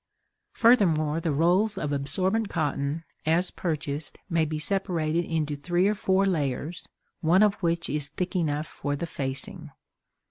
Furthermore, the rolls of absorbent cotton, as purchased, may be separated into three or four layers, one of which is thick enough for the facing.